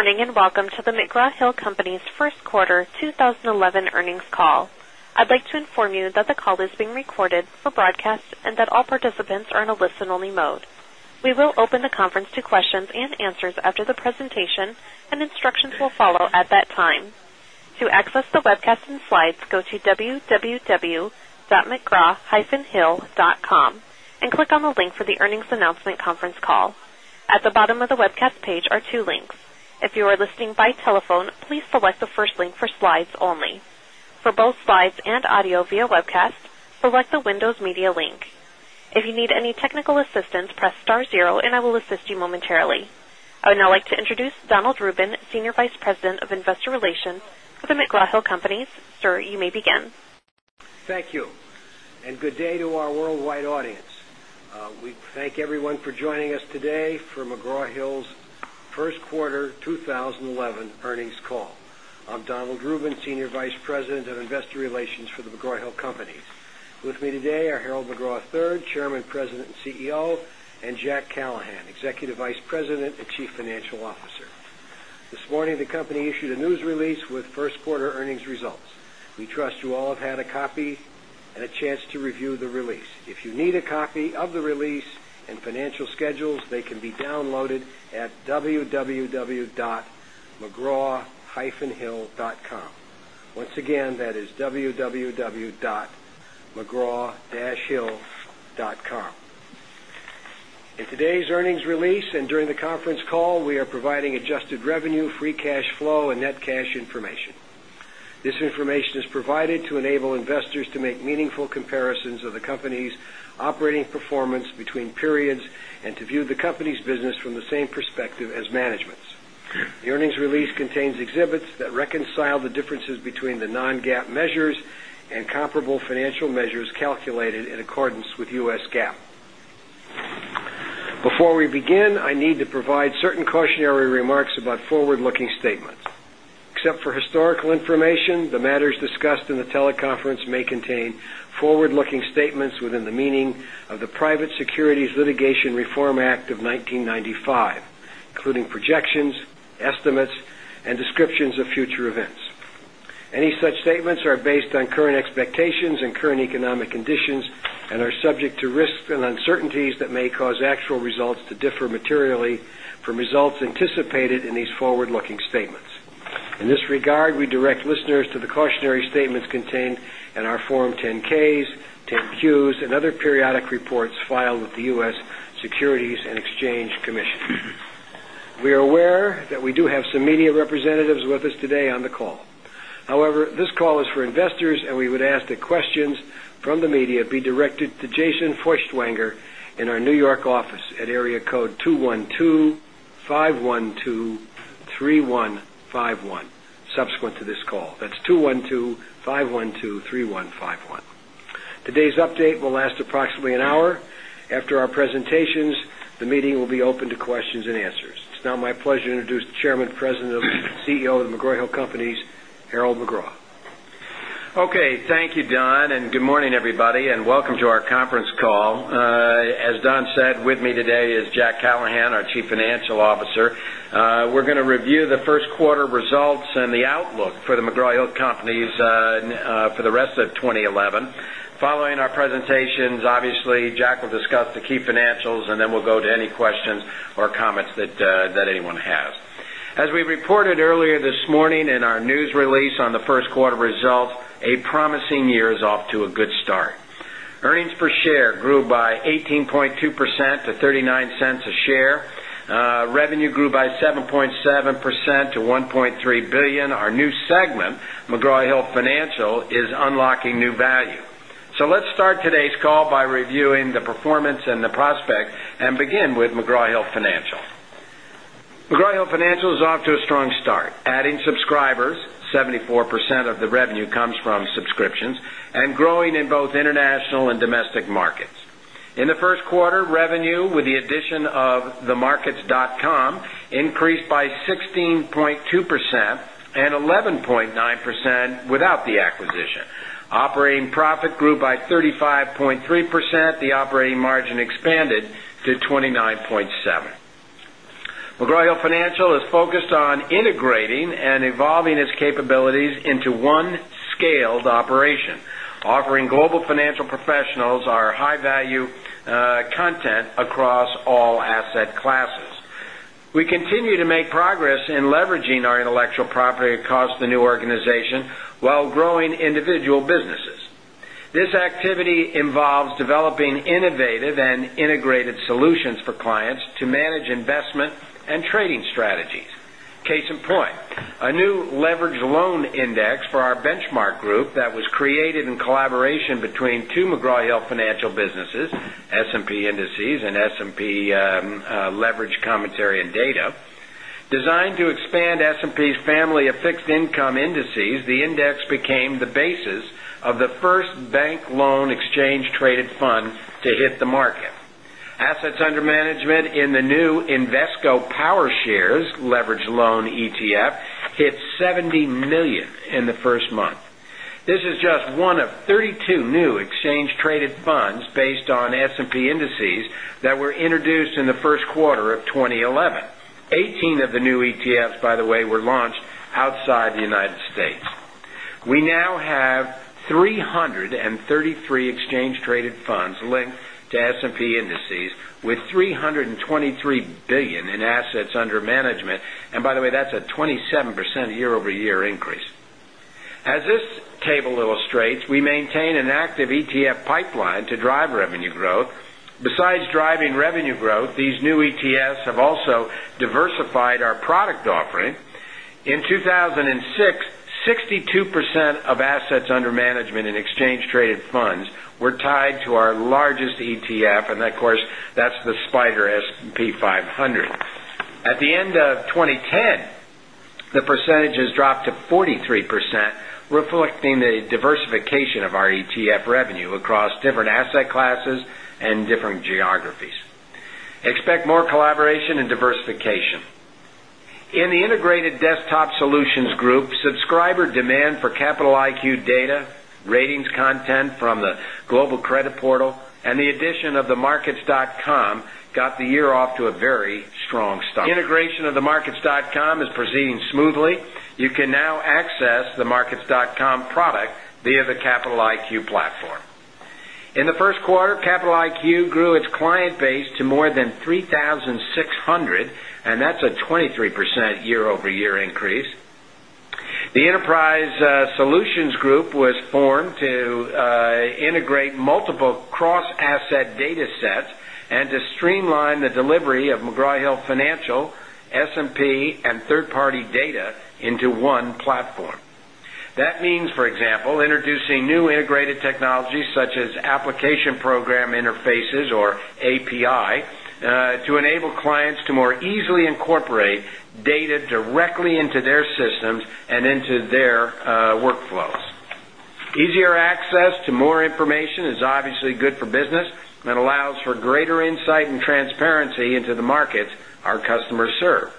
Morning and welcome to the McGraw Hill Companies' First Quarter 2011 Earnings Call. I'd like to inform you that the call is being recorded for broadcast and that all participants are in a listen-only mode. We will open the conference to questions and answers after the presentation, and instructions will follow at that time. To access the webcast and slides, go to www.mcgraw-hill.com and click on the link for the earnings announcement conference call. At the bottom of the webcast page are two links. If you are listening by telephone, please select the first link for slides only. For both slides and audio via webcast, select the Windows Media link. If you need any technical assistance, press star zero and I will assist you momentarily. I would now like to introduce Donald Rubin, Senior Vice President of Investor Relations for the McGraw Hill Companies. Sir, you may begin. Thank you. Good day to our worldwide audience. We thank everyone for joining us today for McGraw Hill's First Quarter 2011 earnings call. I'm Donald Rubin, Senior Vice President of Investor Relations for McGraw Hill Companies. With me today are Harold McGraw III, Chairman, President, and CEO, and Jack Callahan, Executive Vice President and Chief Financial Officer. This morning, the company issued a news release with First Quarter earnings results. We trust you all have had a copy and a chance to review the release. If you need a copy of the release and financial schedules, they can be downloaded at www.mcgraw-hill.com. Once again, that is www.mcgraw-hill.com. In today's earnings release and during the conference call, we are providing adjusted revenue, free cash flow, and net cash information. This information is provided to enable investors to make meaningful comparisons of the company's operating performance between periods and to view the company's business from the same perspective as management's. The earnings release contains exhibits that reconcile the differences between the non-GAAP measures and comparable financial measures calculated in accordance with US GAAP. Before we begin, I need to provide certain cautionary remarks about forward-looking statements. Except for historical information, the matters discussed in the teleconference may contain forward-looking statements within the meaning of the Private Securities Litigation Reform Act of 1995, including projections, estimates, and descriptions of future events. Any such statements are based on current expectations and current economic conditions and are subject to risks and uncertainties that may cause actual results to differ materially from results anticipated in these forward-looking statements. In this regard, we direct listeners to the cautionary statements contained in our Form 10-Ks, 10-Qs, and other periodic reports filed with the U.S. Securities and Exchange Commission. We are aware that we do have some media representatives with us today on the call. However, this call is for investors, and we would ask that questions from the media be directed to Jason Feuchtwanger in our New York office at area code 212-512-3151 subsequent to this call. That's 212-512-3151. Today's update will last approximately an hour. After our presentations, the meeting will be open to questions and answers. It's now my pleasure to introduce Chairman, President, and CEO of McGraw Hill Companies, Harold McGraw. Okay. Thank you, Don, and good morning, everybody, and welcome to our conference call. As Don said, with me today is Jack Callahan, our Chief Financial Officer. We're going to review the First Quarter results and the outlook for McGraw Hill Companies for the rest of 2011. Following our presentations, Jack will discuss the key financials, and then we'll go to any questions or comments that anyone has. As we reported earlier this morning in our news release on the First Quarter results, a promising year is off to a good start. Earnings per share grew by 18.2% to $0.39 a share. Revenue grew by 7.7% to $1.3 billion. Our new segment, McGraw Hill Financial, is unlocking new value. Let's start today's call by reviewing the performance and the prospect, and begin with McGraw Hill Financial. McGraw Hill Financial is off to a strong start, adding subscribers, 74% of the revenue comes from subscriptions, and growing in both international and domestic markets. In the First Quarter, revenue with the addition of markets.com increased by 16.2% and 11.9% without the acquisition. Operating profit grew by 35.3%. The operating margin expanded to 29.7%. McGraw Hill Financial is focused on integrating and evolving its capabilities into one scaled operation, offering global financial professionals our high-value content across all asset classes. We continue to make progress in leveraging our intellectual property across the new organization while growing individual businesses. This activity involves developing innovative and integrated solutions for clients to manage investment and trading strategies. Case in point, a new leveraged loan index for our benchmark group that was created in collaboration between two McGraw Hill Financial businesses, S&P Indices and S&P Leveraged Commentary and Data. Designed to expand S&P's family of fixed income indices, the index became the basis of the first bank loan exchange-traded fund to hit the market. Assets under management in the new Invesco PowerShares leveraged loan ETF hit $70 million in the first month. This is just one of 32 new exchange-traded funds based on S&P indices that were introduced in the First Quarter of 2011. 18 of the new ETFs, by the way, were launched outside the United States. We now have 333 exchange-traded funds linked to S&P indices with $323 billion in assets under management. By the way, that's a 27% year-over-year increase. As this table illustrates, we maintain an active ETF pipeline to drive revenue growth. Besides driving revenue growth, these new ETFs have also diversified our product offering. In 2006, 62% of assets under management in exchange-traded funds were tied to our largest ETF, and of course, that's the SPDR S&P 500. At the end of 2010, the percentage has dropped to 43%, reflecting the diversification of our ETF revenue across different asset classes and different geographies. Expect more collaboration and diversification. In the integrated desktop solutions group, subscriber demand for Capital IQ data, ratings content from the Global Credit Portal, and the addition of markets.com got the year off to a very strong start. Integration of markets.com is proceeding smoothly. You can now access the markets.com product via the Capital IQ platform. In the First Quarter, Capital IQ grew its client base to more than 3,600, and that's a 23% year-over-year increase. The Enterprise Solutions Group was formed to integrate multiple cross-asset datasets and to streamline the delivery of McGraw Hill Financial, S&P, and third-party data into one platform. That means, for example, introducing new integrated technologies such as application program interfaces or API to enable clients to more easily incorporate data directly into their systems and into their workflows. Easier access to more information is obviously good for business and allows for greater insight and transparency into the markets our customers serve.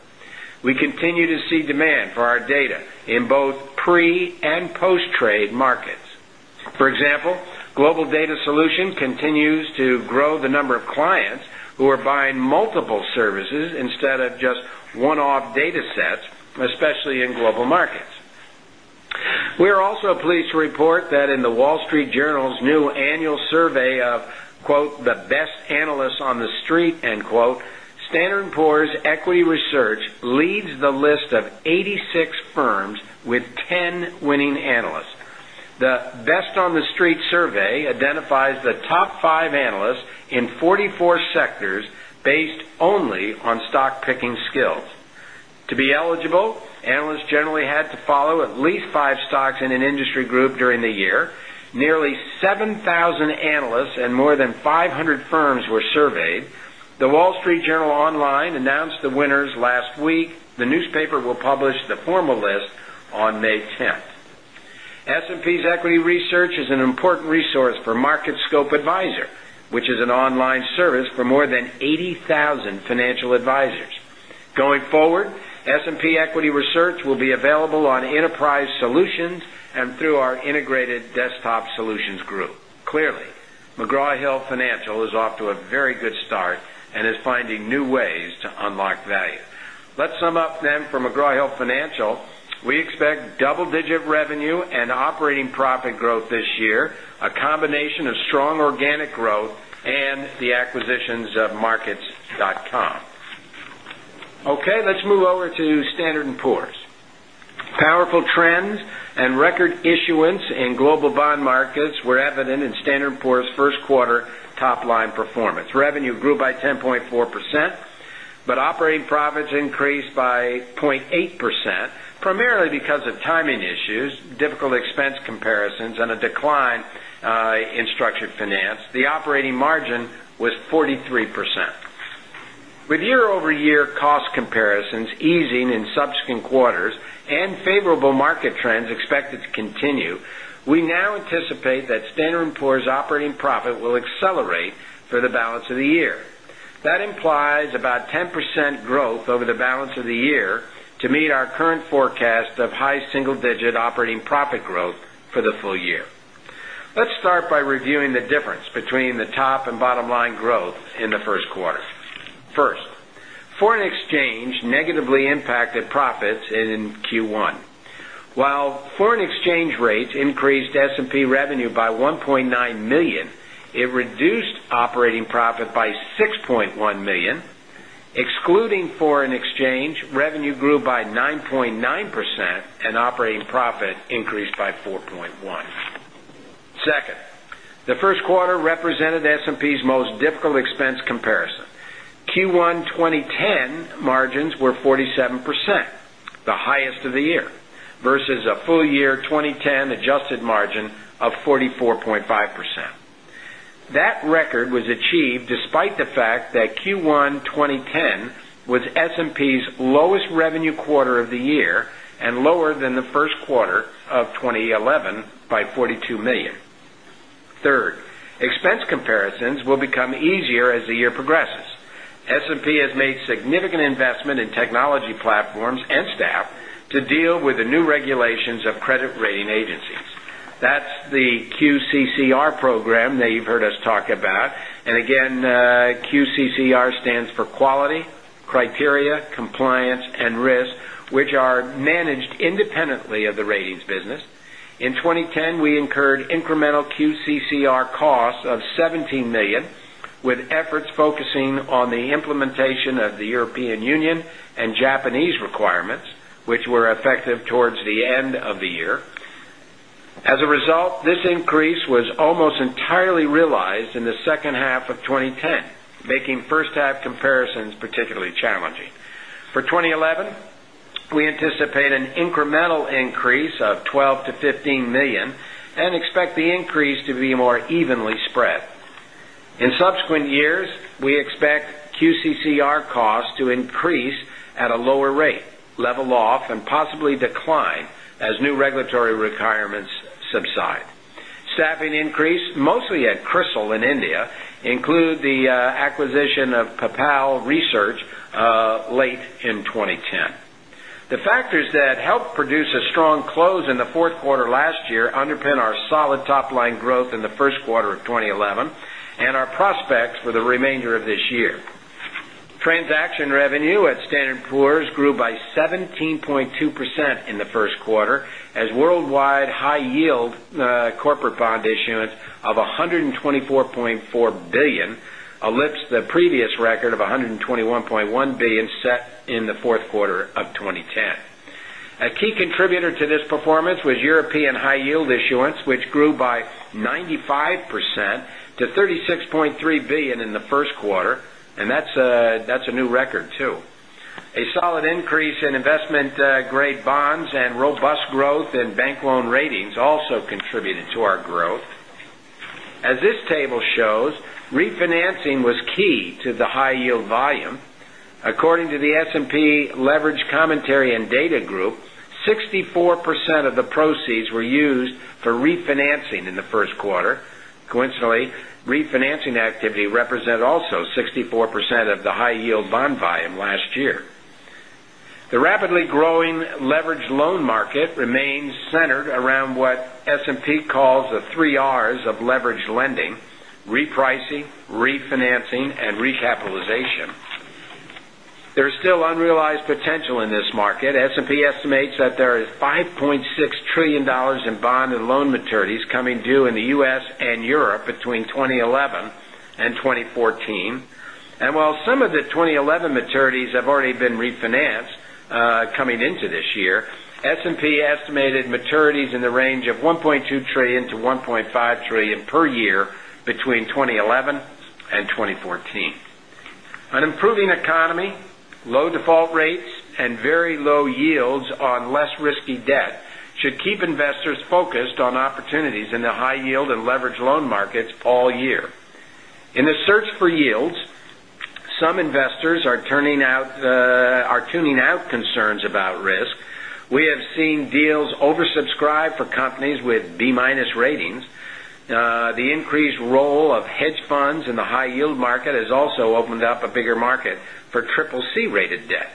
We continue to see demand for our data in both pre and post-trade markets. For example, Global Data Solutions continues to grow the number of clients who are buying multiple services instead of just one-off datasets, especially in global markets. We are also pleased to report that in The Wall Street Journal's new annual survey of "the best analysts on the street," Standard & Poor's Equity Research leads the list of 86 firms with 10 winning analysts. The "best on the street" survey identifies the top five analysts in 44 sectors based only on stock picking skills. To be eligible, analysts generally had to follow at least five stocks in an industry group during the year. Nearly 7,000 analysts and more than 500 firms were surveyed. The Wall Street Journal Online announced the winners last week. The newspaper will publish the formal list on May 10th. S&P's Equity Research is an important resource for Market Scope Advisor, which is an online service for more than 80,000 financial advisors. Going forward, S&P Equity Research will be available on Enterprise Solutions and through our integrated desktop solutions group. Clearly, McGraw Hill Financial is off to a very good start and is finding new ways to unlock value. Let's sum up then for McGraw Hill Financial. We expect double-digit revenue and operating profit growth this year, a combination of strong organic growth and the acquisitions of markets.com. Okay, let's move over to Standard & Poor’s. Powerful trends and record issuance in global bond markets were evident in Standard & Poor’s First Quarter top-line performance. Revenue grew by 10.4%, but operating profits increased by 0.8%, primarily because of timing issues, difficult expense comparisons, and a decline in structured finance. The operating margin was 43%. With year-over-year cost comparisons easing in subsequent quarters and favorable market trends expected to continue, we now anticipate that Standard & Poor’s operating profit will accelerate for the balance of the year. That implies about 10% growth over the balance of the year to meet our current forecast of high single-digit operating profit growth for the full year. Let's start by reviewing the difference between the top and bottom line growth in the First Quarter. First, foreign exchange negatively impacted profits in Q1. While foreign exchange rates increased S&P revenue by $1.9 million, it reduced operating profit by $6.1 million. Excluding foreign exchange, revenue grew by 9.9% and operating profit increased by 4.1%. Second, the First Quarter represented S&P's most difficult expense comparison. Q1 2010 margins were 47%, the highest of the year, versus a full year 2010 adjusted margin of 44.5%. That record was achieved despite the fact that Q1 2010 was S&P's lowest revenue quarter of the year and lower than the First Quarter of 2011 by $42 million. Third, expense comparisons will become easier as the year progresses. S&P has made significant investment in technology platforms and staff to deal with the new regulations of credit rating agencies. That's the QCCR program that you've heard us talk about. Again, QCCR stands for Quality, Criteria, Compliance, and Risk, which are managed independently of the ratings business. In 2010, we incurred incremental QCCR costs of $17 million with efforts focusing on the implementation of the European Union and Japanese requirements, which were effective towards the end of the year. As a result, this increase was almost entirely realized in the second half of 2010, making first-half comparisons particularly challenging. For 2011, we anticipate an incremental increase of $12 million-$15 million and expect the increase to be more evenly spread. In subsequent years, we expect QCCR costs to increase at a lower rate, level off, and possibly decline as new regulatory requirements subside. Staffing increase, mostly at CRISIL in India, includes the acquisition of Pipal Research late in 2010. The factors that helped produce a strong close in the fourth quarter last year underpin our solid top-line growth in the First Quarter of 2011 and our prospects for the remainder of this year. Transaction revenue at Standard & Poor’s grew by 17.2% in the First Quarter as worldwide high-yield corporate bond issuance of $124.4 billion eclipsed the previous record of $121.1 billion set in the fourth quarter of 2010. A key contributor to this performance was European high-yield issuance, which grew by 95% to $36.3 billion in the First Quarter, and that's a new record too. A solid increase in investment-grade bonds and robust growth in bank loan ratings also contributed to our growth. As this table shows, refinancing was key to the high-yield volume. According to the S&P Leveraged Commentary and Data Group, 64% of the proceeds were used for refinancing in the First Quarter. Coincidentally, refinancing activity also represented 64% of the high-yield bond volume last year. The rapidly growing leveraged loan market remains centered around what S&P calls the three Rs of leveraged lending: repricing, refinancing, and recapitalization. There is still unrealized potential in this market. S&P estimates that there are $5.6 trillion in bond and loan maturities coming due in the U.S. and Europe between 2011 and 2014. While some of the 2011 maturities have already been refinanced coming into this year, S&P estimated maturities in the range of $1.2 trillion-$1.5 trillion per year between 2011 and 2014. An improving economy, low default rates, and very low yields on less risky debt should keep investors focused on opportunities in the high-yield and leveraged loan markets all year. In the search for yields, some investors are tuning out concerns about risk. We have seen deals oversubscribed for companies with B- ratings. The increased role of hedge funds in the high-yield market has also opened up a bigger market for CCC-rated debt.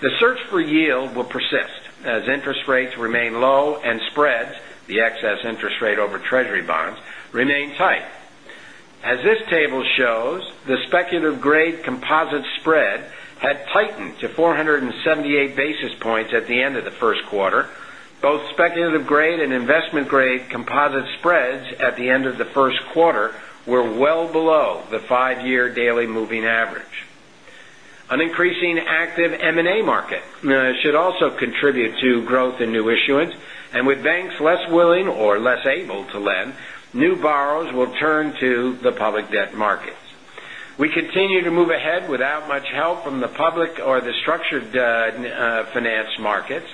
The search for yield will persist as interest rates remain low and spreads, the excess interest rate over Treasury bonds, remains high. As this table shows, the speculative-grade composite spread had tightened to 478 basis points at the end of the First Quarter. Both speculative-grade and investment-grade composite spreads at the end of the First Quarter were well below the five-year daily moving average. An increasing active M&A market should also contribute to growth in new issuance. With banks less willing or less able to lend, new borrowers will turn to the public debt markets. We continue to move ahead without much help from the public or the structured finance markets.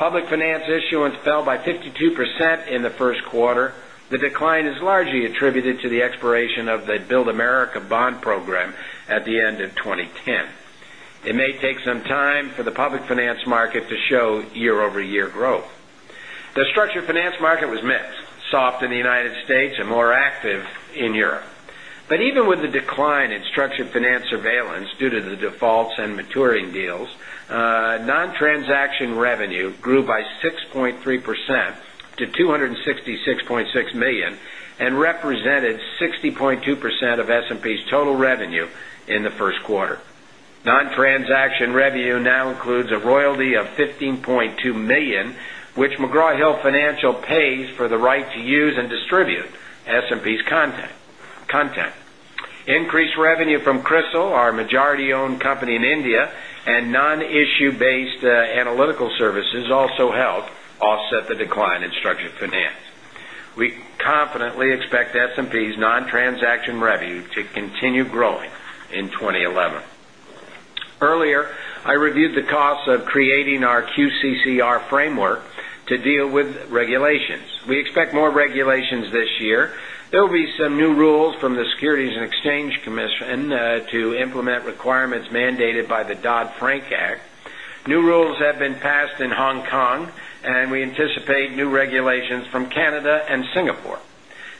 Public finance issuance fell by 52% in the First Quarter. The decline is largely attributed to the expiration of the Build America bond program at the end of 2010. It may take some time for the public finance market to show year-over-year growth. The structured finance market was mixed, soft in the United States and more active in Europe. Even with the decline in structured finance surveillance due to the defaults and maturing deals, non-transaction revenue grew by 6.3% to $266.6 million and represented 60.2% of S&P's total revenue in the First Quarter. Non-transaction revenue now includes a royalty of $15.2 million, which McGraw Hill Financial pays for the right to use and distribute S&P's content. Increased revenue from CRISIL, our majority-owned company in India, and non-issue-based analytical services also helped offset the decline in structured finance. We confidently expect S&P's non-transaction revenue to continue growing in 2011. Earlier, I reviewed the costs of creating our QCCR framework to deal with regulations. We expect more regulations this year. There will be some new rules from the Securities and Exchange Commission to implement requirements mandated by the Dodd-Frank Act. New rules have been passed in Hong Kong, and we anticipate new regulations from Canada and Singapore.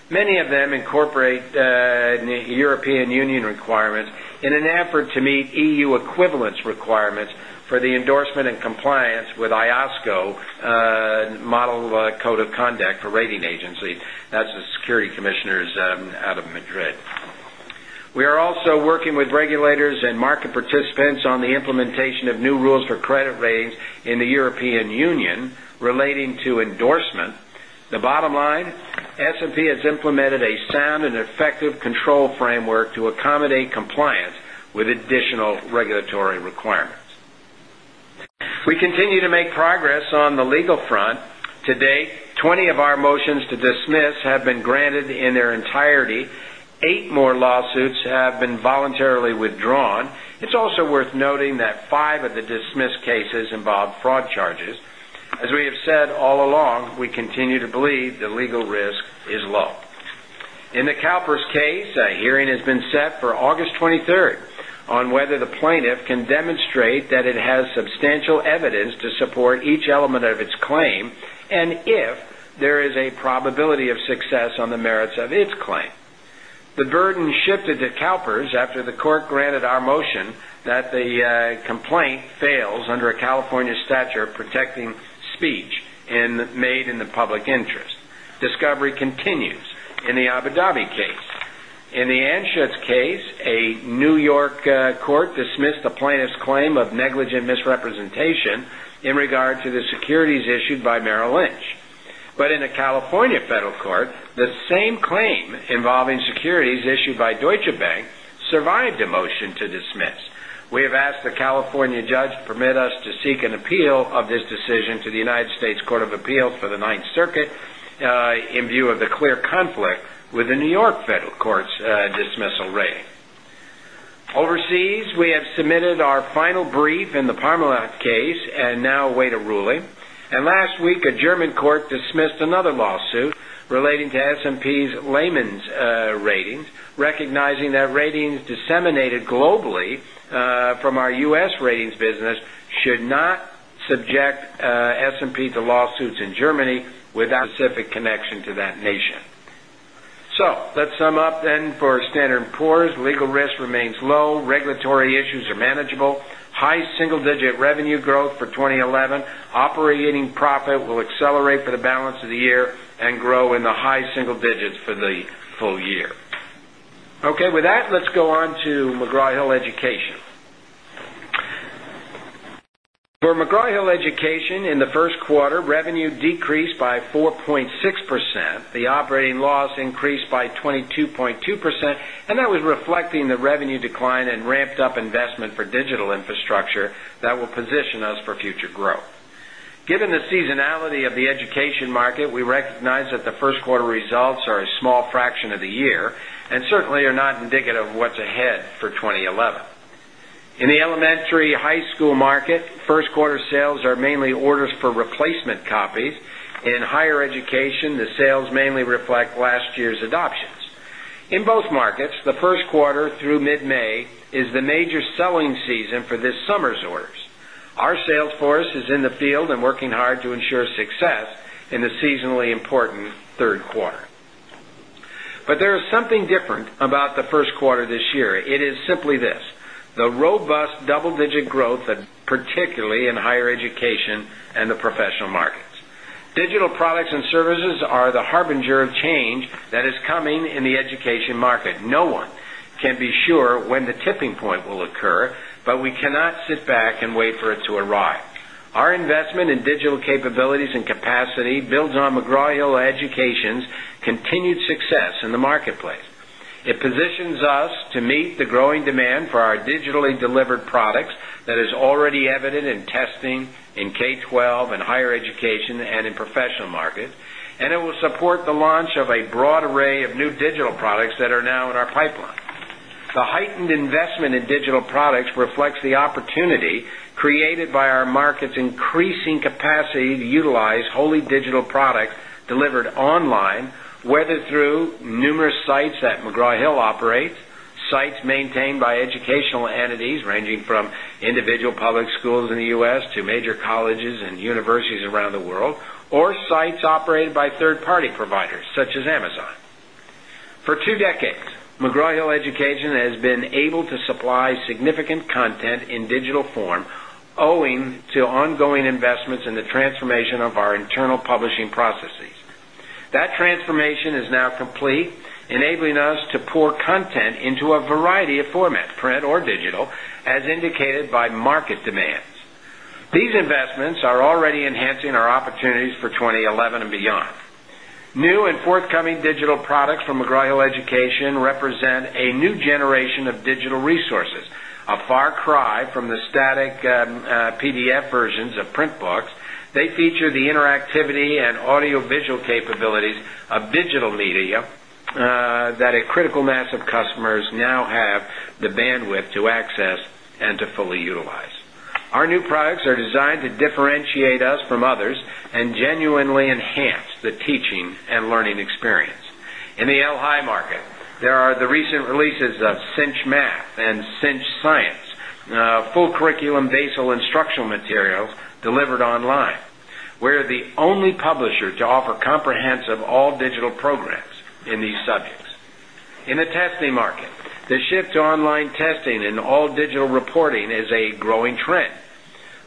Many of them incorporate European Union requirements in an effort to meet EU equivalence requirements for the endorsement and compliance with IOSCO Model Code of Conduct for rating agencies. That's the Security Commissioners out of Madrid. We are also working with regulators and market participants on the implementation of new rules for credit ratings in the European Union relating to endorsement. The bottom line, S&P has implemented a sound and effective control framework to accommodate compliance with additional regulatory requirements. We continue to make progress on the legal front. To date, 20 of our motions to dismiss have been granted in their entirety. Eight more lawsuits have been voluntarily withdrawn. It's also worth noting that five of the dismissed cases involved fraud charges. As we have said all along, we continue to believe the legal risk is low. In the Calpers case, a hearing has been set for August 23rd on whether the plaintiff can demonstrate that it has substantial evidence to support each element of its claim and if there is a probability of success on the merits of its claim. The burden shifted to Calpers after the court granted our motion that the complaint fails under a California statute protecting speech made in the public interest. Discovery continues in the Abu Dhabi case. In the Anschutz case, a New York court dismissed the plaintiff's claim of negligent misrepresentation in regard to the securities issued by Merrill Lynch. In the California federal court, the same claim involving securities issued by Deutsche Bank survived a motion to dismiss. We have asked the California judge to permit us to seek an appeal of this decision to the United States Court of Appeals for the Ninth Circuit in view of the clear conflict with the New York federal court's dismissal ruling. Overseas, we have submitted our final brief in the Parmalat case and now await a ruling. Last week, a German court dismissed another lawsuit relating to S&P's layman's ratings, recognizing that ratings disseminated globally from our US ratings business should not subject S&P to lawsuits in Germany without a specific connection to that nation. Let's sum up then for Standard & Poor’s. Legal risk remains low. Regulatory issues are manageable. High single-digit revenue growth for 2011. Operating profit will accelerate for the balance of the year and grow in the high single digits for the full year. With that, let's go on to McGraw Hill Education. For McGraw Hill Education, in the First Quarter, revenue decreased by 4.6%. The operating loss increased by 22.2%, and that was reflecting the revenue decline and ramped-up investment for digital infrastructure that will position us for future growth. Given the seasonality of the education market, we recognize that the First Quarter results are a small fraction of the year and certainly are not indicative of what's ahead for 2011. In the elementary high school market, First Quarter sales are mainly orders for replacement copies. In higher education, the sales mainly reflect last year's adoptions. In both markets, the First Quarter through mid-May is the major selling season for this summer's orders. Our sales force is in the field and working hard to ensure success in the seasonally important third quarter. There is something different about the First Quarter this year. It is simply this: the robust double-digit growth, particularly in higher education and the professional markets. Digital products and services are the harbinger of change that is coming in the education market. No one can be sure when the tipping point will occur, but we cannot sit back and wait for it to arrive. Our investment in digital capabilities and capacity builds on McGraw Hill Education's continued success in the marketplace. It positions us to meet the growing demand for our digitally delivered products that is already evident in testing in K-12 and higher education and in professional markets, and it will support the launch of a broad array of new digital products that are now in our pipeline. The heightened investment in digital products reflects the opportunity created by our market's increasing capacity to utilize wholly digital products delivered online, whether through numerous sites that McGraw Hill operates, sites maintained by educational entities ranging from individual public schools in the U.S. to major colleges and universities around the world, or sites operated by third-party providers such as Amazon. For two decades, McGraw Hill Education has been able to supply significant content in digital form, owing to ongoing investments in the transformation of our internal publishing processes. That transformation is now complete, enabling us to pour content into a variety of formats, print or digital, as indicated by market demands. These investments are already enhancing our opportunities for 2011 and beyond. New and forthcoming digital products from McGraw Hill Education represent a new generation of digital resources, a far cry from the static PDF versions of print books. They feature the interactivity and audio-visual capabilities of digital media that a critical mass of customers now have the bandwidth to access and to fully utilize. Our new products are designed to differentiate us from others and genuinely enhance the teaching and learning experience. In the K-12 market, there are the recent releases of Cinch Math and Cinch Science, full curriculum basal instructional materials delivered online. We are the only publisher to offer comprehensive all-digital programs in these subjects. In the testing market, the shift to online testing and all-digital reporting is a growing trend.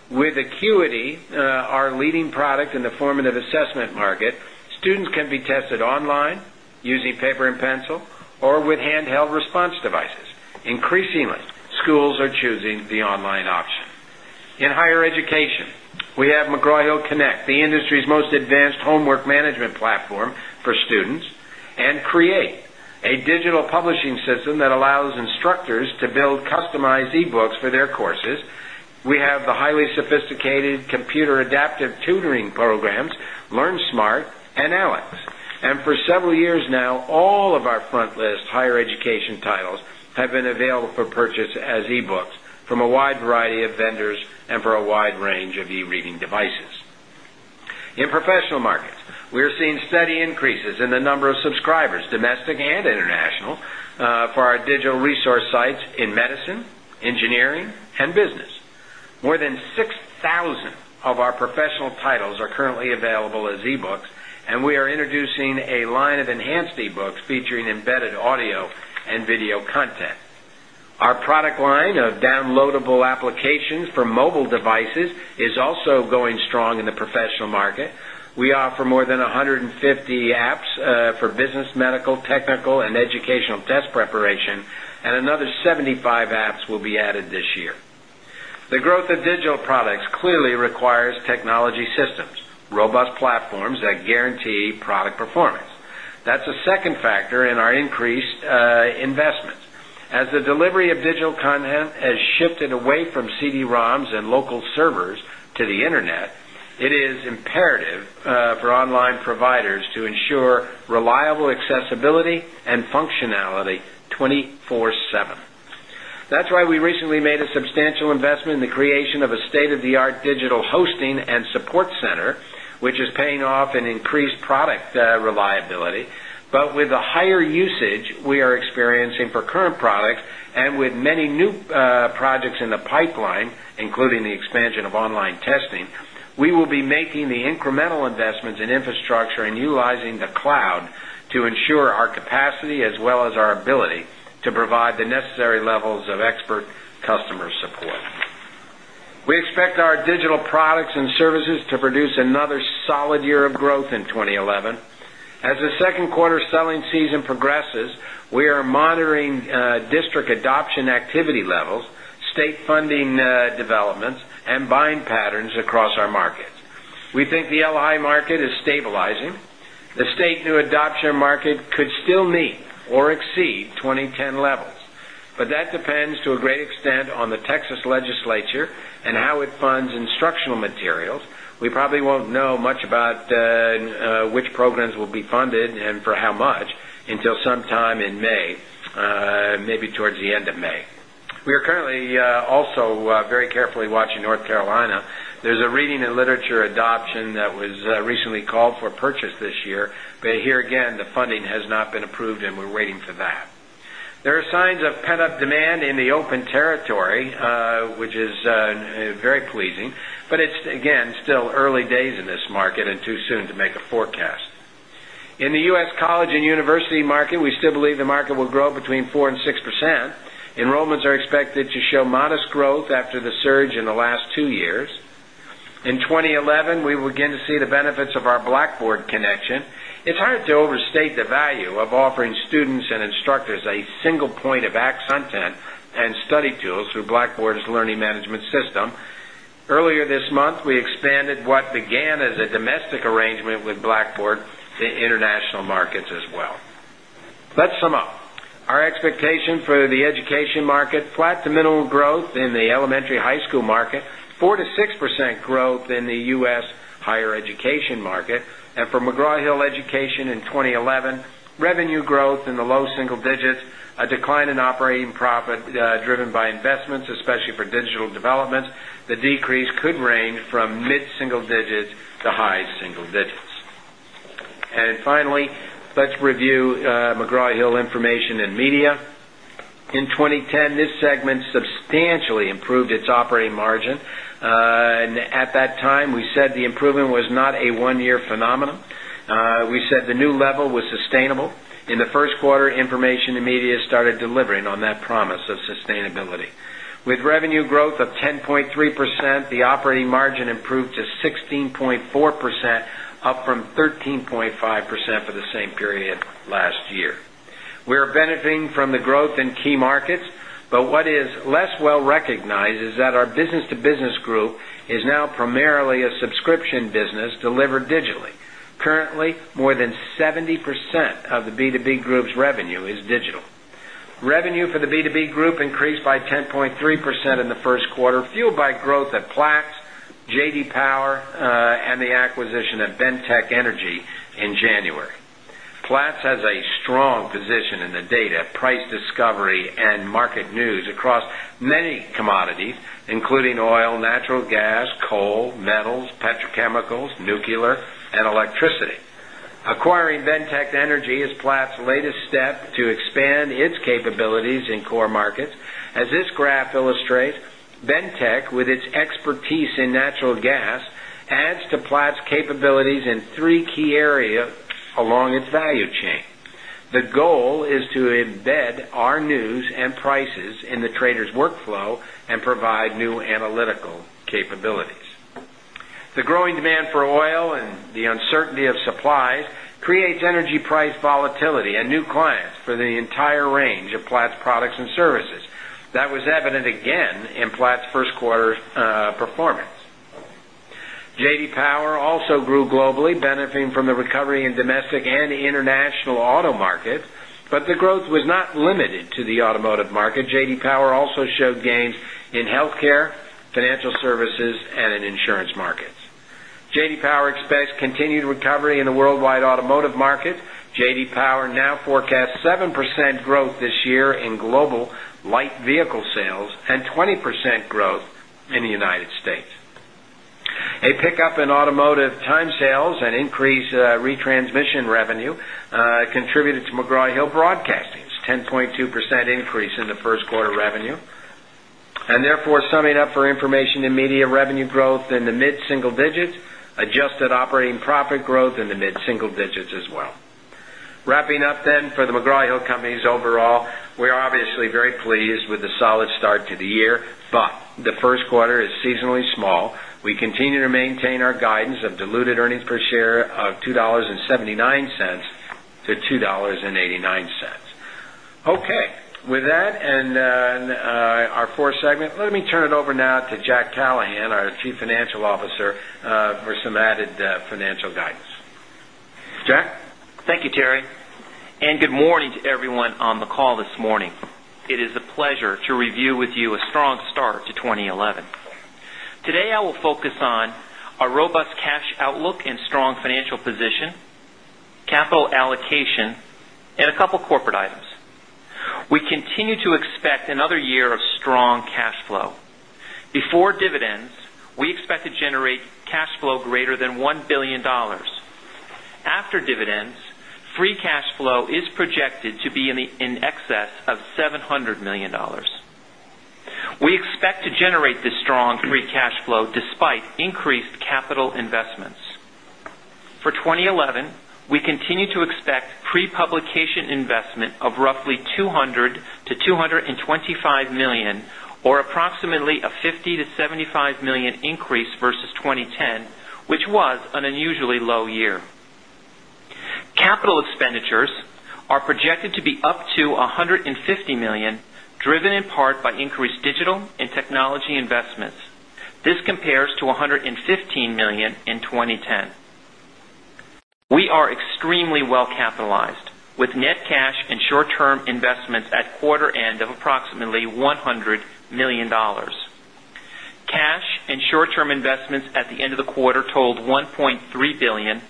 With Acuity, our leading product in the formative assessment market, students can be tested online using paper and pencil or with handheld response devices. Increasingly, schools are choosing the online option. In higher education, we have McGraw Hill Connect, the industry's most advanced homework management platform for students, and Create, a digital publishing system that allows instructors to build customized e-books for their courses. We have the highly sophisticated computer-adaptive tutoring programs, LearnSmart and ALEKS. For several years now, all of our frontlist higher education titles have been available for purchase as e-books from a wide variety of vendors and for a wide range of e-reading devices. In professional markets, we are seeing steady increases in the number of subscribers, domestic and international, for our digital resource sites in medicine, engineering, and business. More than 6,000 of our professional titles are currently available as e-books, and we are introducing a line of enhanced e-books featuring embedded audio and video content. Our product line of downloadable applications for mobile devices is also going strong in the professional market. We offer more than 150 apps for business, medical, technical, and educational test preparation, and another 75 apps will be added this year. The growth of digital products clearly requires technology systems, robust platforms that guarantee product performance. That is a second factor in our increased investments. As the delivery of digital content has shifted away from CD-ROMs and local servers to the internet, it is imperative for online providers to ensure reliable accessibility and functionality 24/7. That's why we recently made a substantial investment in the creation of a state-of-the-art digital hosting and support center, which is paying off in increased product reliability. With the higher usage we are experiencing for current products and with many new projects in the pipeline, including the expansion of online testing, we will be making incremental investments in infrastructure and utilizing the cloud to ensure our capacity as well as our ability to provide the necessary levels of expert customer support. We expect our digital products and services to produce another solid year of growth in 2011. As the second quarter selling season progresses, we are monitoring district adoption activity levels, state funding developments, and buying patterns across our markets. We think the LI market is stabilizing. The state new adoption market could still meet or exceed 2010 levels. That depends to a great extent on the Texas legislature and how it funds instructional materials. We probably won't know much about which programs will be funded and for how much until sometime in May, maybe towards the end of May. We are currently also very carefully watching North Carolina. There's a reading and literature adoption that was recently called for purchase this year, but here again, the funding has not been approved, and we're waiting for that. There are signs of pent-up demand in the open territory, which is very pleasing, but it's still early days in this market and too soon to make a forecast. In the US college and university market, we still believe the market will grow between 4% and 6%. Enrollments are expected to show modest growth after the surge in the last two years. In 2011, we will begin to see the benefits of our Blackboard connection. It's hard to overstate the value of offering students and instructors a single point of access to content and study tools through Blackboard's learning management system. Earlier this month, we expanded what began as a domestic arrangement with Blackboard to international markets as well. Let's sum up. Our expectation for the education market: flat to minimal growth in the elementary high school market, 4% to 6% growth in the US higher education market. For McGraw Hill Education in 2011, revenue growth in the low single digits, a decline in operating profit driven by investments, especially for digital developments. The decrease could range from mid-single digits to high single digits. Finally, let's review McGraw Hill Information & Media. In 2010, this segment substantially improved its operating margin. At that time, we said the improvement was not a one-year phenomenon. We said the new level was sustainable. In the First Quarter, Information & Media started delivering on that promise of sustainability. With revenue growth of 10.3%, the operating margin improved to 16.4%, up from 13.5% for the same period last year. We are benefiting from the growth in key markets. What is less well recognized is that our business-to-business group is now primarily a subscription business delivered digitally. Currently, more than 70% of the B2B group's revenue is digital. Revenue for the B2B group increased by 10.3% in the First Quarter, fueled by growth at Platts, J.D. Power, and the acquisition of Ventech Energy in January. Platts has a strong position in the data, price discovery, and market news across many commodities, including oil, natural gas, coal, metals, petrochemicals, nuclear, and electricity. Acquiring Ventech Energy is Platts' latest step to expand its capabilities in core markets. As this graph illustrates, Ventech, with its expertise in natural gas, adds to Platts' capabilities in three key areas along its value chain. The goal is to embed our news and prices in the trader's workflow and provide new analytical capabilities. The growing demand for oil and the uncertainty of supplies create energy price volatility and new clients for the entire range of Platts' products and services. That was evident again in Platts' First Quarter performance. J.D. Power also grew globally, benefiting from the recovery in domestic and international auto markets. The growth was not limited to the automotive market. J.D. Power also showed gains in healthcare, financial services, and in insurance markets. J.D. Power expects continued recovery in the worldwide automotive markets. J.D. Power now forecasts 7% growth this year in global light vehicle sales and 20% growth in the United States. A pickup in automotive time sales and increased retransmission revenue contributed to McGraw Hill Broadcasting's 10.2% increase in First Quarter revenue. Therefore, summing up for Information & Media, revenue growth in the mid-single digits, adjusted operating profit growth in the mid-single digits as well. Wrapping up then for McGraw Hill Companies overall, we are obviously very pleased with the solid start to the year, but the First Quarter is seasonally small. We continue to maintain our guidance of diluted earnings per share of $2.79-$2.89. With that and our fourth segment, let me turn it over now to Jack Callahan, our Chief Financial Officer, for some added financial guidance. Jack? Thank you, Terry. Good morning to everyone on the call this morning. It is a pleasure to review with you a strong start to 2011. Today, I will focus on our robust cash outlook and strong financial position, capital allocation, and a couple of corporate items. We continue to expect another year of strong cash flow. Before dividends, we expect to generate cash flow greater than $1 billion. After dividends, free cash flow is projected to be in excess of $700 million. We expect to generate this strong free cash flow despite increased capital investments. For 2011, we continue to expect pre-publication investment of roughly $200 million-$225 million, or approximately a $50 million-$75 million increase versus 2010, which was an unusually low year. Capital expenditures are projected to be up to $150 million, driven in part by increased digital and technology investments. This compares to $115 million in 2010. We are extremely well capitalized, with net cash and short-term investments at quarter end of approximately $100 million. Cash and short-term investments at the end of the quarter totaled $1.3 billion,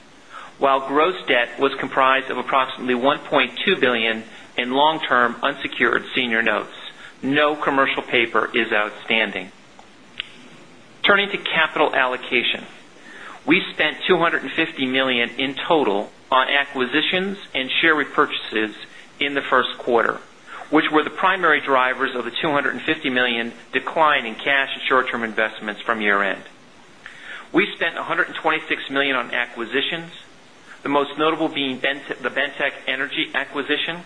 while gross debt was comprised of approximately $1.2 billion in long-term unsecured senior notes. No commercial paper is outstanding. Turning to capital allocation, we spent $250 million in total on acquisitions and share repurchases in the First Quarter, which were the primary drivers of the $250 million decline in cash and short-term investments from year end. We spent $126 million on acquisitions, the most notable being the Ventech Energy acquisition,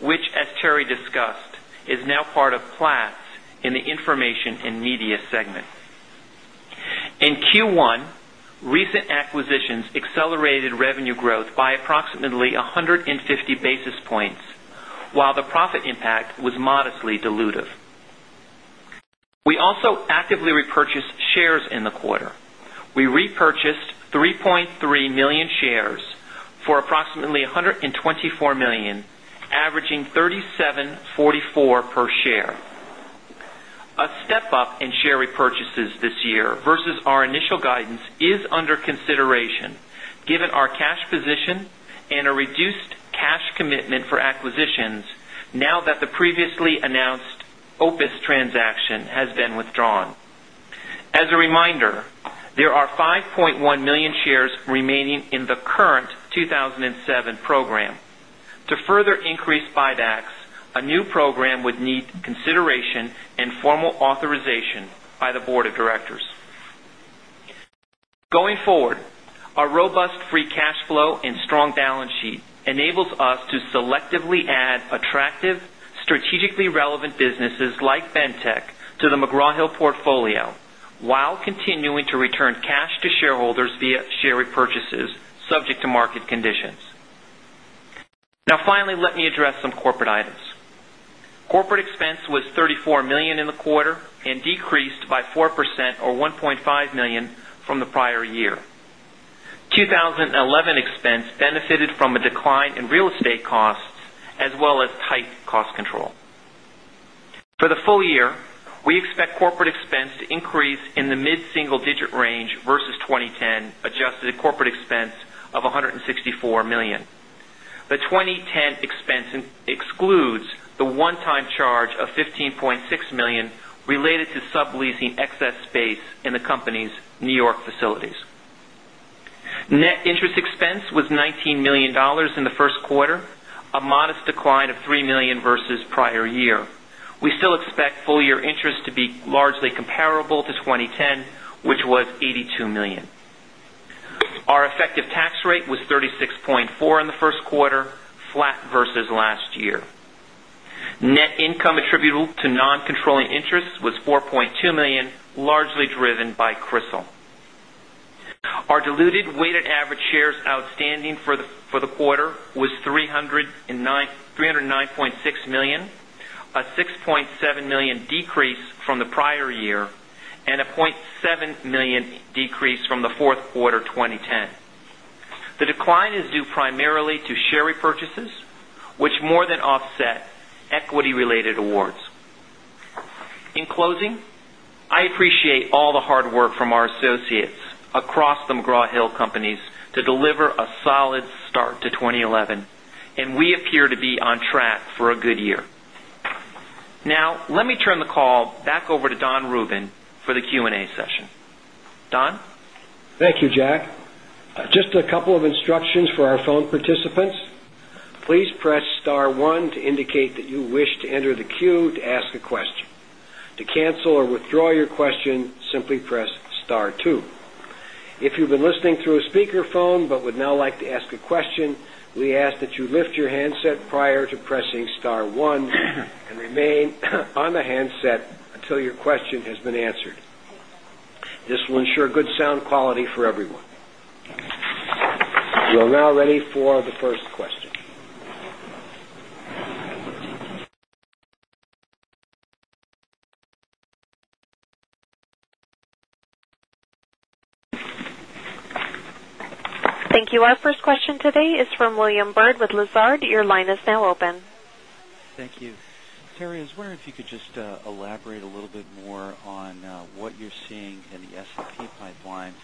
which, as Terry discussed, is now part of Platts in the Information & Media segment. In Q1, recent acquisitions accelerated revenue growth by approximately 150 basis points, while the profit impact was modestly dilutive. We also actively repurchased shares in the quarter. We repurchased 3.3 million shares for approximately $124 million, averaging $37.44 per share. A step up in share repurchases this year versus our initial guidance is under consideration given our cash position and a reduced cash commitment for acquisitions now that the previously announced Opus transaction has been withdrawn. As a reminder, there are 5.1 million shares remaining in the current 2007 program. To further increase buybacks, a new program would need consideration and formal authorization by the Board of Directors. Going forward, our robust free cash flow and strong balance sheet enable us to selectively add attractive, strategically relevant businesses like Ventech to the McGraw Hill portfolio while continuing to return cash to shareholders via share repurchases subject to market conditions. Now finally, let me address some corporate items. Corporate expense was $34 million in the quarter and decreased by 4% or $1.5 million from the prior year. 2011 expense benefited from a decline in real estate costs as well as tight cost control. For the full year, we expect corporate expense to increase in the mid-single-digit range versus 2010, adjusted to corporate expense of $164 million. The 2010 expense excludes the one-time charge of $15.6 million related to sub-leasing excess space in the company's New York facilities. Net interest expense was $19 million in the First Quarter, a modest decline of $3 million versus prior year. We still expect full-year interest to be largely comparable to 2010, which was $82 million. Our effective tax rate was 36.4% in the First Quarter, flat versus last year. Net income attributable to non-controlling interest was $4.2 million, largely driven by Crystal. Our diluted weighted average shares outstanding for the quarter was 309.6 million, a 6.7 million decrease from the prior year, and a 0.7 million decrease from the fourth quarter 2010. The decline is due primarily to share repurchases, which more than offset equity-related awards. In closing, I appreciate all the hard work from our associates across McGraw Hill Companies to deliver a solid start to 2011, and we appear to be on track for a good year. Now, let me turn the call back over to Donald Rubin for the Q&A session. Don. Thank you, Jack. Just a couple of instructions for our phone participants. Please press star one to indicate that you wish to enter the queue to ask a question. To cancel or withdraw your question, simply press star two. If you've been listening through a speakerphone but would now like to ask a question, we ask that you lift your handset prior to pressing star one and remain on the handset until your question has been answered. This will ensure good sound quality for everyone. We're now ready for the first question. Thank you. Our first question today is from William Bird with Lazard. Your line is now open. Thank you. Terry, I was wondering if you could just elaborate a little bit more on what you're seeing in the S&P pipeline.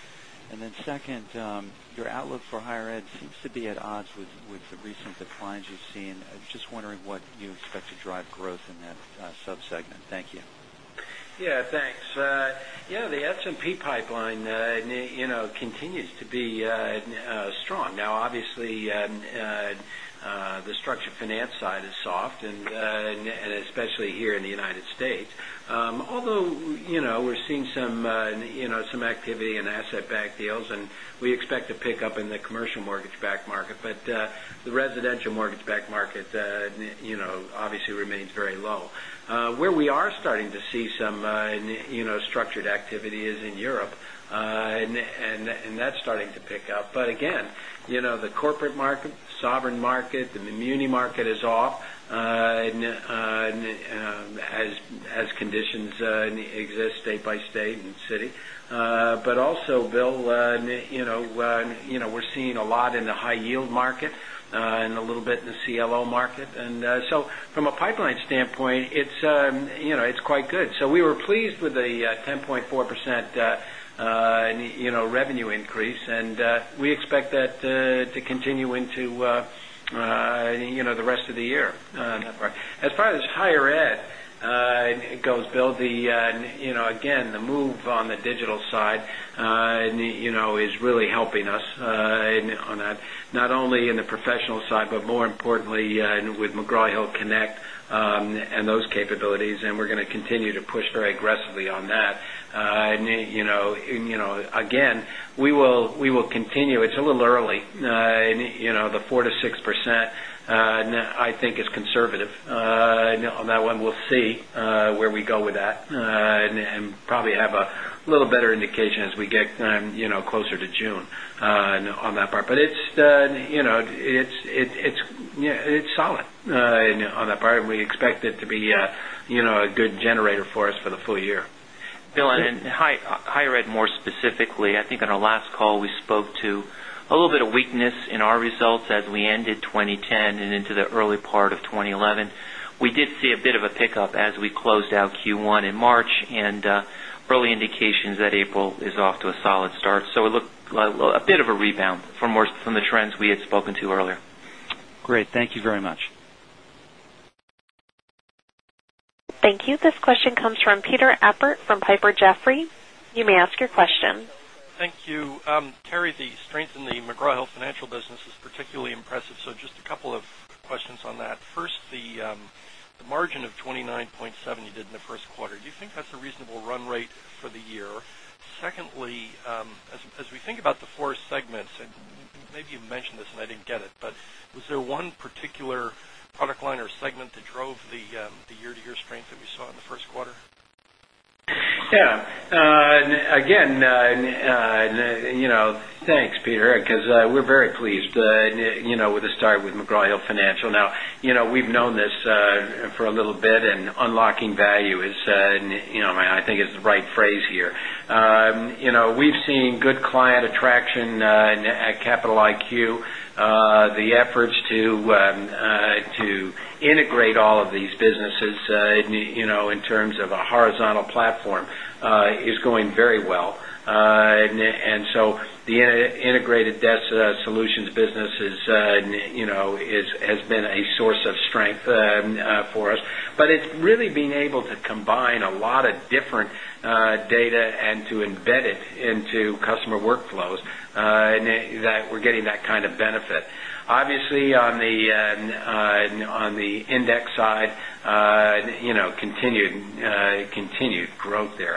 Your outlook for higher ed seems to be at odds with the recent declines you've seen. I was just wondering what you expect to drive growth in that subsegment. Thank you. Yeah, thanks. Yeah, the S&P pipeline continues to be strong. Obviously, the structured finance side is soft, especially here in the United States. Although we're seeing some activity in asset-backed deals, and we expect a pickup in the commercial mortgage-backed market, the residential mortgage-backed market obviously remains very low. Where we are starting to see some structured activity is in Europe, and that's starting to pick up. Again, the corporate market, sovereign market, the muni market is off as conditions exist state by state and city. Also, Bill, we're seeing a lot in the high-yield market and a little bit in the CLO market. From a pipeline standpoint, it's quite good. We were pleased with the 10.4% revenue increase, and we expect that to continue into the rest of the year. As far as higher ed goes, Bill, the move on the digital side is really helping us on that, not only in the professional side, but more importantly with McGraw Hill Connect and those capabilities. We're going to continue to push very aggressively on that. We will continue. It's a little early. The 4% to 6% I think is conservative. On that one, we'll see where we go with that and probably have a little better indication as we get closer to June on that part. It's solid on that part, and we expect it to be a good generator for us for the full year. Bill, in higher ed more specifically, I think on our last call we spoke to a little bit of weakness in our results as we ended 2010 and into the early part of 2011. We did see a bit of a pickup as we closed out Q1 in March, and early indications that April is off to a solid start. It looked like a bit of a rebound from the trends we had spoken to earlier. Great, thank you very much. Thank you. This question comes from Peter Appert from Piper Jaffray. You may ask your question. Thank you. Terry, the strength in the McGraw Hill Financial business is particularly impressive. Just a couple of questions on that. First, the margin of 29.7% you did in the First Quarter, do you think that's a reasonable run rate for the year? Secondly, as we think about the four segments, maybe you mentioned this and I didn't get it, but was there one particular product line or segment that drove the year-to-year strength that we saw in the First Quarter? Yeah. Again, thanks, Peter, because we're very pleased with the start with McGraw Hill Financial. We've known this for a little bit, and unlocking value is, I think, the right phrase here. We've seen good client attraction at Capital IQ. The efforts to integrate all of these businesses in terms of a horizontal platform are going very well. The integrated desk solutions business has been a source of strength for us. It's really been able to combine a lot of different data and to embed it into customer workflows that we're getting that kind of benefit. Obviously, on the index side, continued growth there.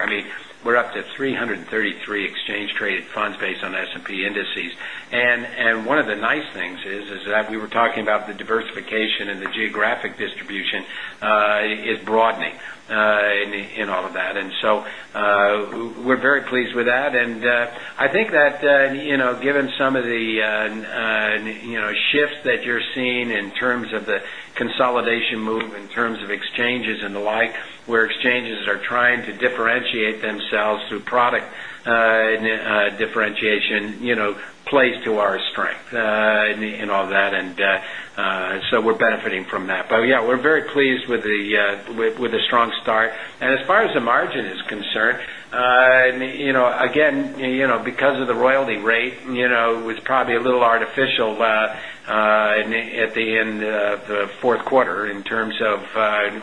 We're up to 333 exchange-traded funds based on S&P indices. One of the nice things is that we were talking about the diversification and the geographic distribution is broadening in all of that. We're very pleased with that. I think that given some of the shifts that you're seeing in terms of the consolidation move, in terms of exchanges and the like, where exchanges are trying to differentiate themselves through product differentiation, it plays to our strength in all that. We're benefiting from that. We're very pleased with the strong start. As far as the margin is concerned, again, because of the royalty rate, it was probably a little artificial at the end of the fourth quarter in terms of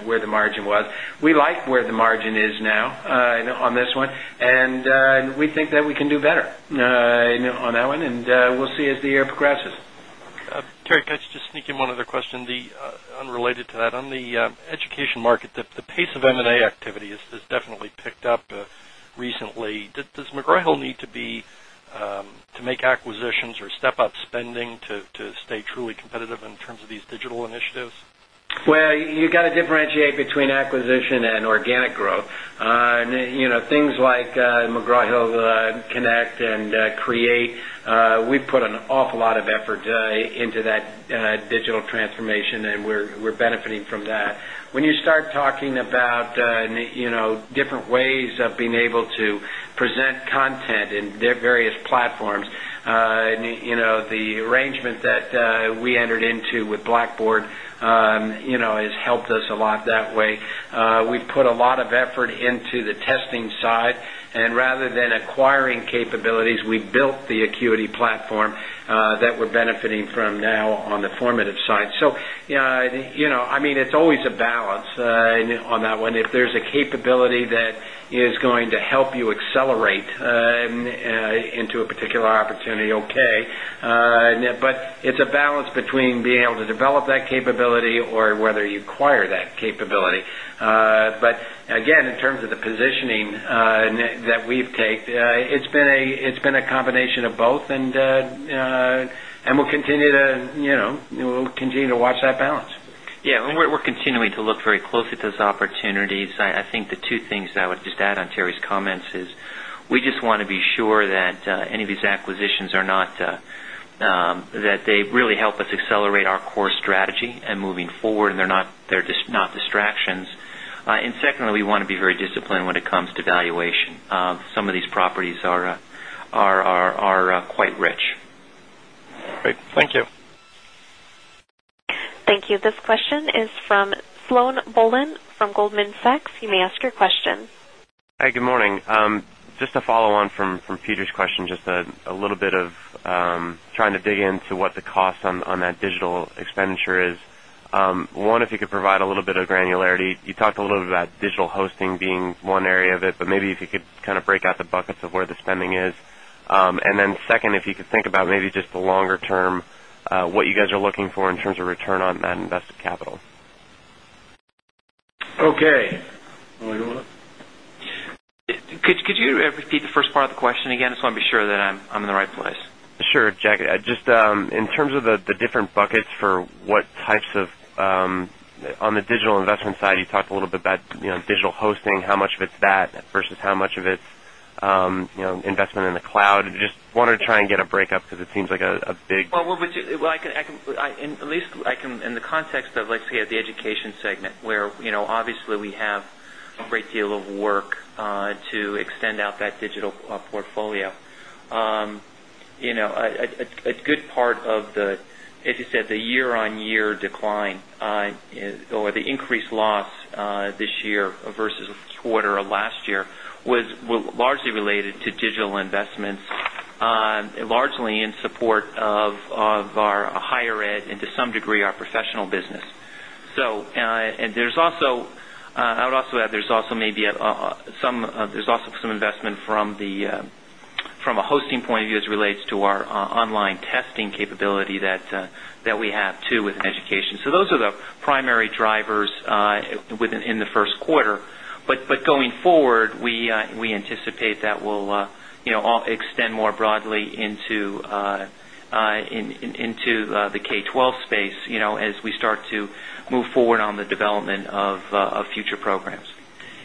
where the margin was. We like where the margin is now on this one, and we think that we can do better on that one. We'll see as the year progresses. Terry, could I just sneak in one other question unrelated to that? On the education market, the pace of M&A activity has definitely picked up recently. Does McGraw Hill need to make acquisitions or step up spending to stay truly competitive in terms of these digital initiatives? You have to differentiate between acquisition and organic growth. Things like McGraw Hill Connect and Create, we've put an awful lot of effort into that digital transformation, and we're benefiting from that. When you start talking about different ways of being able to present content in various platforms, the arrangement that we entered into with Blackboard has helped us a lot that way. We've put a lot of effort into the testing side, and rather than acquiring capabilities, we built the Acuity platform that we're benefiting from now on the formative side. I mean, it's always a balance on that one. If there's a capability that is going to help you accelerate into a particular opportunity, okay. It's a balance between being able to develop that capability or whether you acquire that capability. Again, in terms of the positioning that we've taken, it's been a combination of both, and we'll continue to watch that balance. Yeah, we're continuing to look very closely at those opportunities. I think the two things I would just add on Terry's comments are we just want to be sure that any of these acquisitions really help us accelerate our core strategy and moving forward, they're not distractions. Secondly, we want to be very disciplined when it comes to valuation. Some of these properties are quite rich. Great. Thank you. Thank you. This question is from Sloan Bolland from Goldman Sachs. You may ask your question. Hi, good morning. Just a follow-on from Peter's question, just a little bit of trying to dig into what the cost on that digital expenditure is. If you could provide a little bit of granularity, you talked a little bit about digital hosting being one area of it, but maybe if you could kind of break out the buckets of where the spending is. If you could think about maybe just the longer term, what you guys are looking for in terms of return on that invested capital. Okay. Could you repeat the first part of the question again? I just want to be sure that I'm in the right place. Sure, Jack. Just in terms of the different buckets for what types of on the digital investment side, you talked a little bit about digital hosting, how much of it's that versus how much of it's investment in the cloud. Just wanted to try and get a breakup because it seems like a big. At least in the context of, let's say, the education segment, where obviously we have a great deal of work to extend out that digital portfolio. A good part of the, as you said, the year-on-year decline or the increased loss this year versus the quarter of last year was largely related to digital investments, largely in support of our higher ed and to some degree our professional business. I would also add there's also some investment from a hosting point of view as it relates to our online testing capability that we have too within education. Those are the primary drivers in the First Quarter. Going forward, we anticipate that we'll extend more broadly into the K-12 space as we start to move forward on the development of future programs.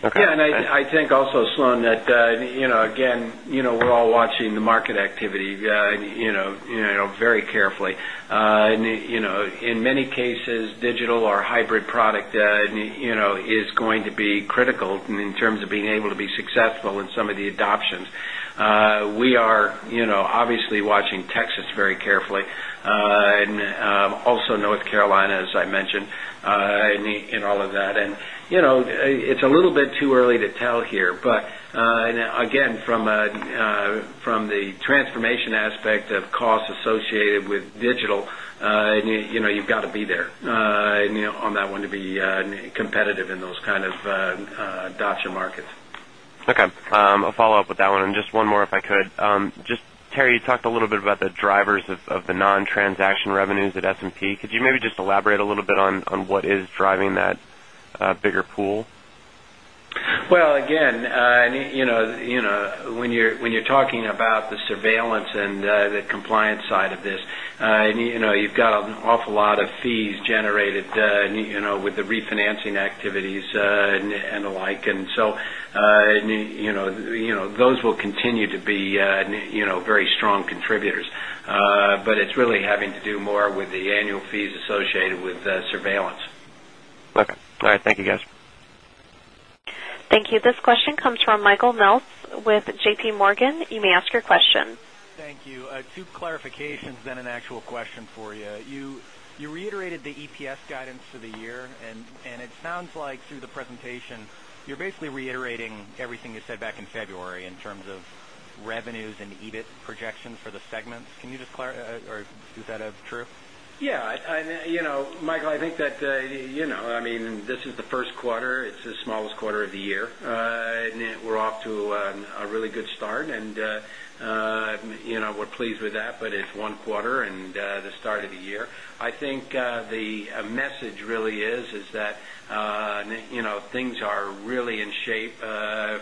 Yeah, I think also, Sloan, that we're all watching the market activity very carefully. In many cases, digital or hybrid product is going to be critical in terms of being able to be successful in some of the adoptions. We are obviously watching Texas very carefully and also North Carolina, as I mentioned, in all of that. It's a little bit too early to tell here. Again, from the transformation aspect of costs associated with digital, you've got to be there on that one to be competitive in those kinds of adoption markets. Okay. I'll follow up with that one. Just one more if I could. Terry, you talked a little bit about the drivers of the non-transaction revenues at S&P. Could you maybe just elaborate a little bit on what is driving that bigger pool? When you're talking about the surveillance and the compliance side of this, you've got an awful lot of fees generated with the refinancing activities and the like. Those will continue to be very strong contributors. It's really having to do more with the annual fees associated with surveillance. Okay. All right. Thank you, guys. Thank you. This question comes from Michael Meltz with JPMorgan. You may ask your question. Thank you. Two clarifications, then an actual question for you. You reiterated the EPS guidance for the year, and it sounds like through the presentation, you're basically reiterating everything you said back in February in terms of revenues and EBIT projections for the segments. Can you just clarify or do that as true? Yeah. Michael, I think that, you know, this is the First Quarter. It's the smallest quarter of the year. We're off to a really good start, and we're pleased with that. It's one quarter and the start of the year. I think the message really is that things are really in shape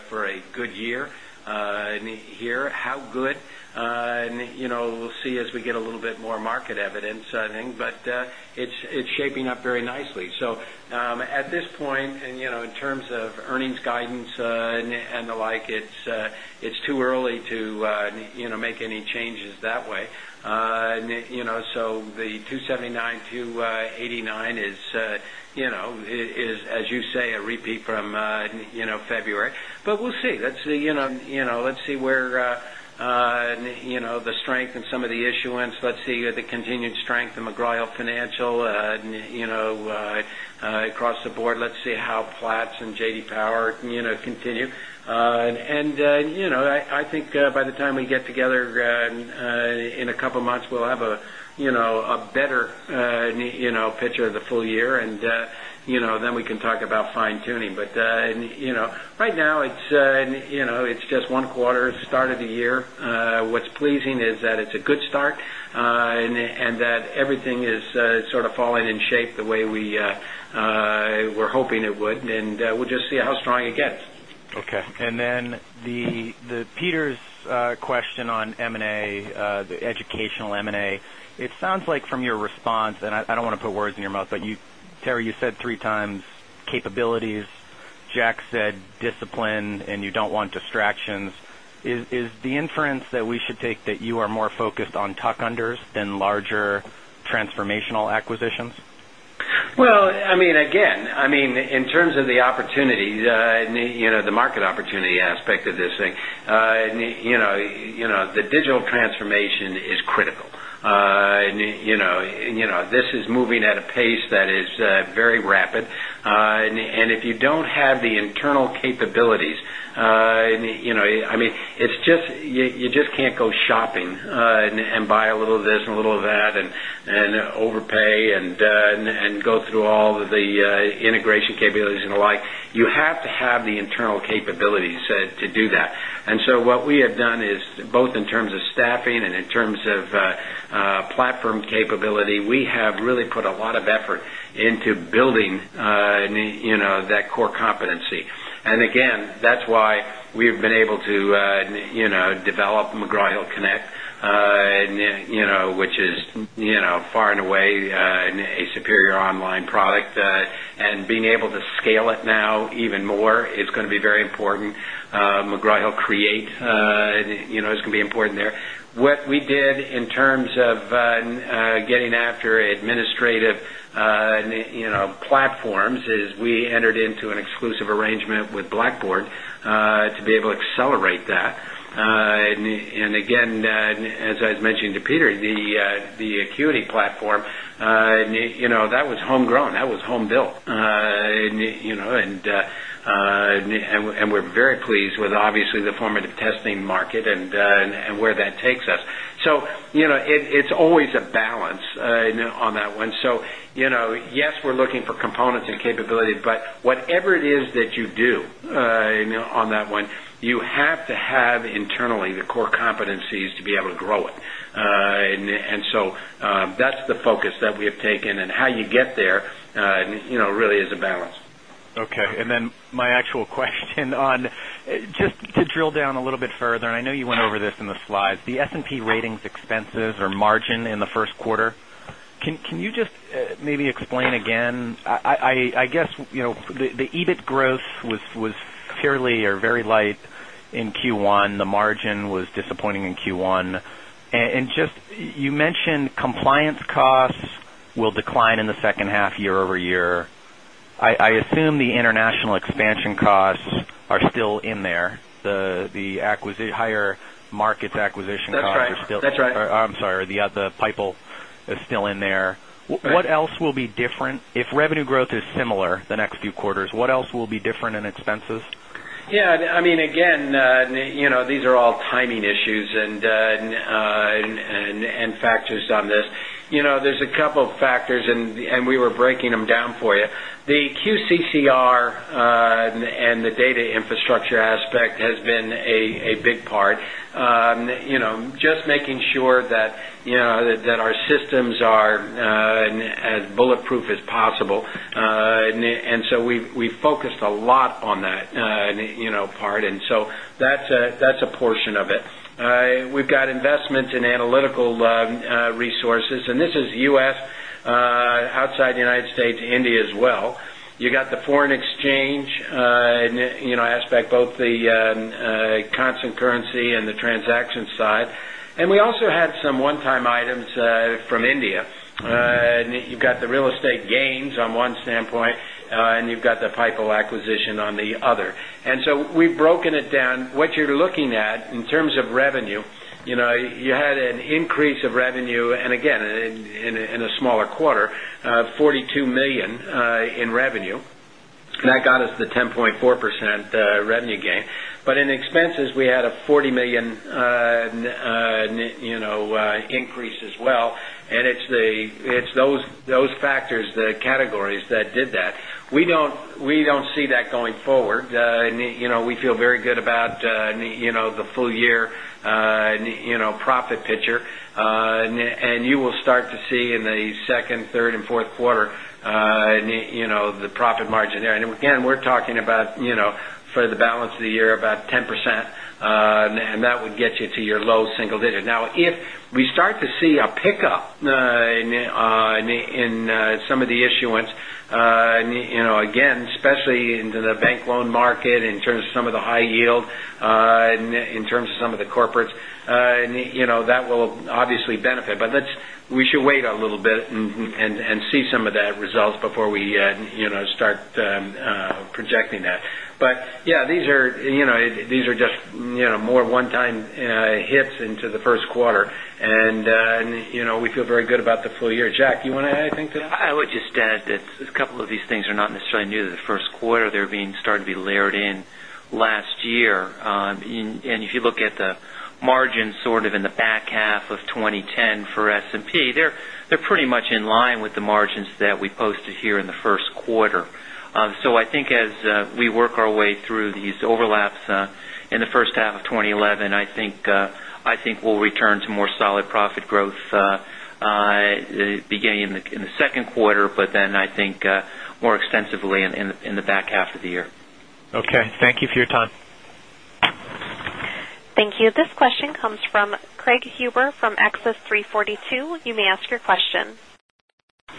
for a good year here. How good? We'll see as we get a little bit more market evidence, I think. It's shaping up very nicely. At this point, in terms of earnings guidance and the like, it's too early to make any changes that way. The $2.79-$2.89 is, as you say, a repeat from February. We'll see. Let's see where the strength in some of the issuance is. Let's see the continued strength in McGraw Hill Financial across the board. Let's see how Platts and J.D. Power continue. I think by the time we get together in a couple of months, we'll have a better picture of the full year, and then we can talk about fine-tuning. Right now, it's just one quarter, start of the year. What's pleasing is that it's a good start and that everything is sort of falling in shape the way we were hoping it would. We'll just see how strong it gets. Okay. On Peter's question on M&A, the educational M&A, it sounds like from your response, and I don't want to put words in your mouth, but Terry, you said three times capabilities, Jack said discipline, and you don't want distractions. Is the inference that we should take that you are more focused on tuck-unders than larger transformational acquisitions? In terms of the opportunity, the market opportunity aspect of this thing, the digital transformation is critical. This is moving at a pace that is very rapid. If you don't have the internal capabilities, you just can't go shopping and buy a little of this and a little of that and overpay and go through all of the integration capabilities and the like. You have to have the internal capabilities to do that. What we have done is both in terms of staffing and in terms of platform capability, we have really put a lot of effort into building that core competency. That's why we've been able to develop McGraw Hill Connect, which is far and away a superior online product. Being able to scale it now even more is going to be very important. McGraw Hill Create is going to be important there. What we did in terms of getting after administrative platforms is we entered into an exclusive arrangement with Blackboard to be able to accelerate that. As I was mentioning to Peter, the Acuity platform, that was homegrown. That was home-built. We're very pleased with obviously the formative testing market and where that takes us. It's always a balance on that one. Yes, we're looking for components and capability, but whatever it is that you do on that one, you have to have internally the core competencies to be able to grow it. That's the focus that we have taken, and how you get there really is a balance. Okay. My actual question, just to drill down a little bit further, and I know you went over this in the slides, the S&P ratings expenses or margin in the First Quarter. Can you just maybe explain again? I guess the EBIT growth was fairly or very light in Q1. The margin was disappointing in Q1. You mentioned compliance costs will decline in the second half year-over-year. I assume the international expansion costs are still in there. The higher markets acquisition costs are still. That's right. I'm sorry, the other pipeline is still in there. What else will be different? If revenue growth is similar the next few quarters, what else will be different in expenses? Yeah, I mean, again, these are all timing issues and factors on this. There are a couple of factors, and we were breaking them down for you. The QCCR program and the data infrastructure aspect has been a big part. Just making sure that our systems are as bulletproof as possible. We have focused a lot on that part, so that's a portion of it. We have investments in analytical resources, and this is U.S., outside the United States, India as well. You have the foreign exchange aspect, both the constant currency and the transaction side. We also had some one-time items from India. You have the real estate gains on one standpoint, and you have the pipeline acquisition on the other. We have broken it down. What you're looking at in terms of revenue, you had an increase of revenue, and again, in a smaller quarter, $42 million in revenue. That got us the 10.4% revenue gain. In expenses, we had a $40 million increase as well. It's those factors, the categories that did that. We do not see that going forward. We feel very good about the full year profit picture. You will start to see in the second, third, and fourth quarter the profit margin there. We are talking about for the balance of the year, about 10%. That would get you to your low single digit. Now, if we start to see a pickup in some of the issuance, again, especially in the bank loan market in terms of some of the high-yield, in terms of some of the corporates, that will obviously benefit. We should wait a little bit and see some of that results before we start projecting that. These are just more one-time hits into the First Quarter. We feel very good about the full year. Jack, you want to add anything to that? I would just add that a couple of these things are not necessarily new to the First Quarter. They're starting to be layered in last year. If you look at the margin sort of in the back half of 2010 for S&P, they're pretty much in line with the margins that we posted here in the First Quarter. I think as we work our way through these overlaps in the first half of 2011, we'll return to more solid profit growth beginning in the second quarter, and then I think more extensively in the back half of the year. Okay, thank you for your time. Thank you. This question comes from Craig Huber from Access 342. You may ask your question.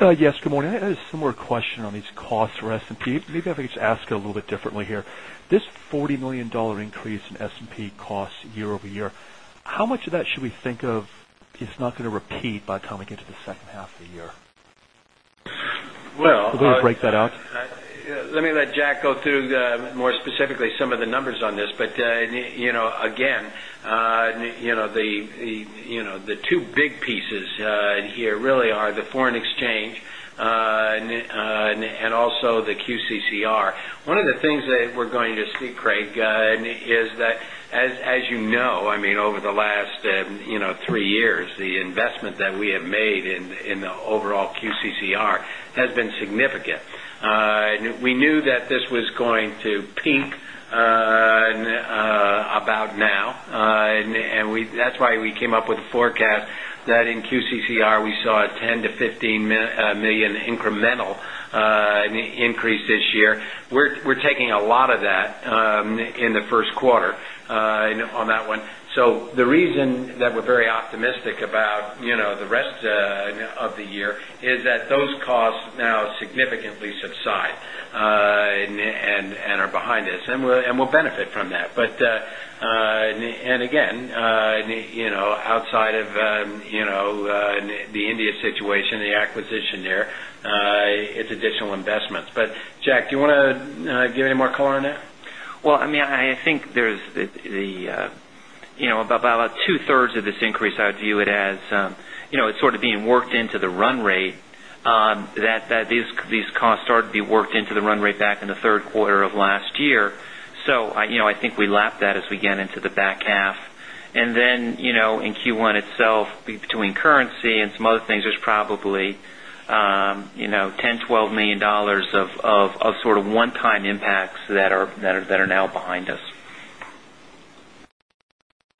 Yes, good morning. I had a similar question on these costs for S&P. Maybe if I could just ask it a little bit differently here. This $40 million increase in S&P costs year-over-year, how much of that should we think of it's not going to repeat by the time we get to the second half of the year? Well. We need to break that out. Let me let Jack go through more specifically some of the numbers on this. Again, the two big pieces here really are the foreign exchange and also the QCCR. One of the things that we're going to speak, Craig, is that as you know, over the last three years, the investment that we have made in the overall QCCR has been significant. We knew that this was going to peak about now. That's why we came up with a forecast that in QCCR we saw a $10 million-$15 million incremental increase this year. We're taking a lot of that in the First Quarter on that one. The reason that we're very optimistic about the rest of the year is that those costs now significantly subside and are behind us. We'll benefit from that. Again, outside of the India situation, the acquisition there, it's additional investments. Jack, do you want to give any more color on that? I think there's about two-thirds of this increase, I view it as it's sort of being worked into the run rate, that these costs started to be worked into the run rate back in the third quarter of last year. I think we lap that as we get into the back half. In Q1 itself, between currency and some other things, there's probably $10 million, $12 million of sort of one-time impacts that are now behind us.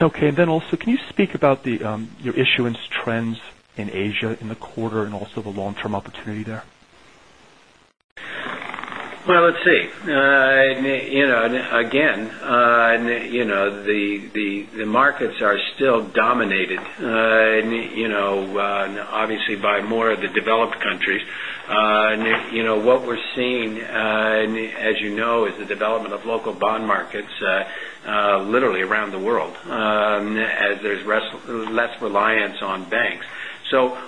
Okay. Can you speak about the issuance trends in Asia in the quarter and also the long-term opportunity there? The markets are still dominated, obviously, by more of the developed countries. What we're seeing, as you know, is the development of local bond markets literally around the world as there's less reliance on banks.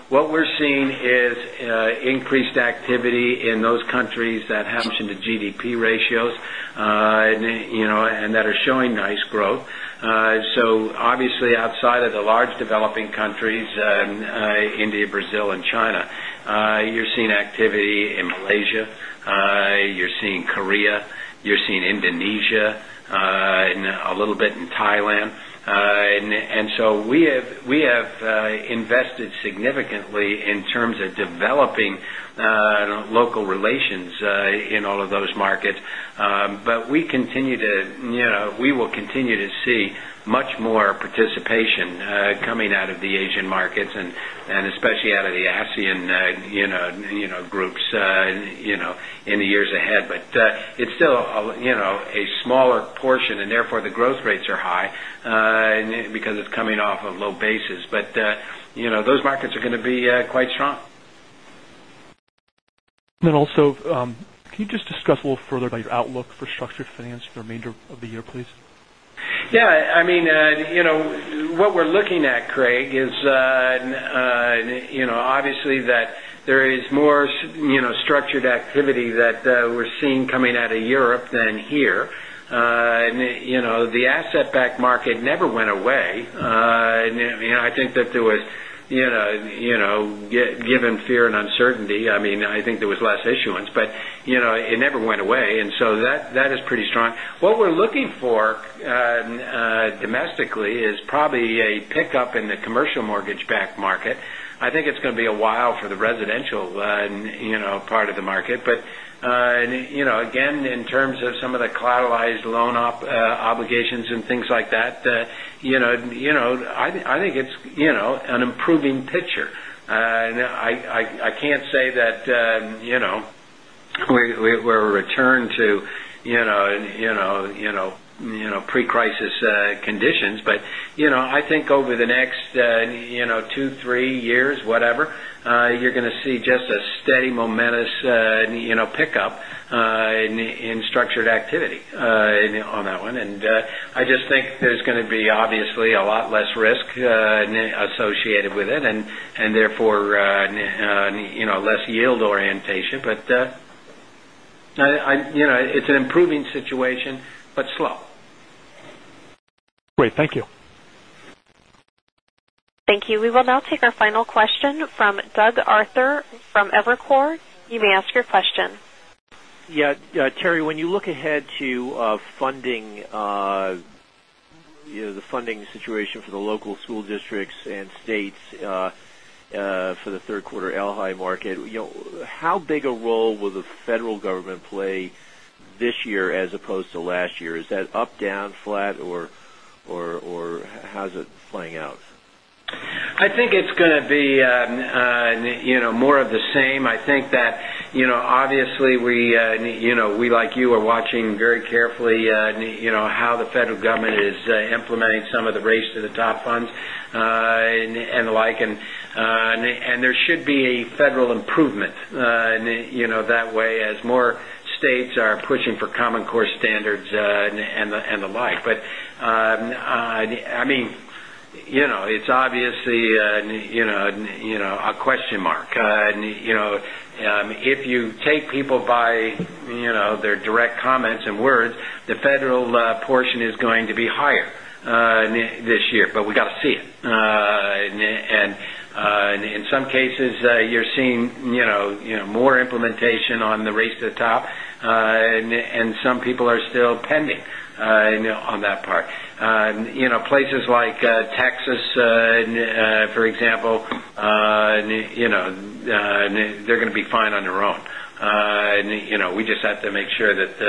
What we're seeing is increased activity in those countries that have to GDP ratios and that are showing nice growth. Obviously, outside of the large developing countries, India, Brazil, and China, you're seeing activity in Malaysia, Korea, and Indonesia, a little bit in Thailand. We have invested significantly in terms of developing local relations in all of those markets. We will continue to see much more participation coming out of the Asian markets and especially out of the ASEAN groups in the years ahead. It's still a smaller portion, and therefore the growth rates are high because it's coming off a low basis. Those markets are going to be quite strong. Can you just discuss a little further about your outlook for structured finance for the remainder of the year, please? Yeah, I mean, what we're looking at, Craig, is obviously that there is more structured activity that we're seeing coming out of Europe than here. The asset-backed market never went away. I think that there was, given fear and uncertainty, I mean, I think there was less issuance. It never went away, and so that is pretty strong. What we're looking for domestically is probably a pickup in the commercial mortgage-backed market. I think it's going to be a while for the residential part of the market. Again, in terms of some of the collateralized loan obligations and things like that, I think it's an improving picture. I can't say that we're a return to pre-crisis conditions. I think over the next two, three years, whatever, you're going to see just a steady, momentous pickup in structured activity on that one. I just think there's going to be obviously a lot less risk associated with it, and therefore less yield orientation. It's an improving situation, but slow. Great. Thank you. Thank you. We will now take our final question from Doug Arthur from Evercore. You may ask your question. Yeah. Terry, when you look ahead to the funding situation for the local school districts and states. The third quarter ally market, you know, how big a role will the federal government play this year as opposed to last year? Is that up, down, flat, or how is it playing out? I think it's going to be more of the same. Obviously, we, like you, are watching very carefully how the federal government is implementing some of the Race to the Top funds and the like. There should be a federal improvement that way as more states are pushing for Common Core standards and the like. I mean, it's obviously a question mark. If you take people by their direct comments and words, the federal portion is going to be higher this year, but we got to see it. In some cases, you're seeing more implementation on the Race to the Top, and some people are still pending on that part. Places like Texas, for example, they're going to be fine on their own. We just have to make sure that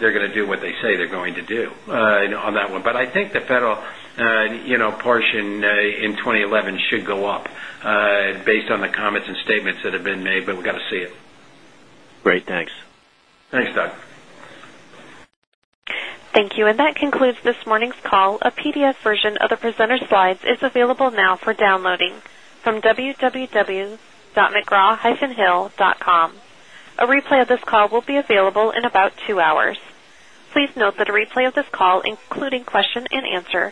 they're going to do what they say they're going to do on that one. I think the federal portion in 2011 should go up based on the comments and statements that have been made, but we got to see it. Great. Thanks. Thanks, Doug. Thank you. That concludes this morning's call. A PDF version of the presenter's slides is available now for downloading from www.mcgraw-hill.com. A replay of this call will be available in about two hours. Please note that a replay of this call, including question and answer, will be available.